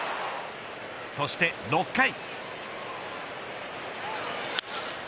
そして６回。